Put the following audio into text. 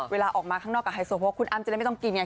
เวลาออกมาข้างนอกกับไฮโซโพกคุณอ้ำจะได้ไม่ต้องกินไง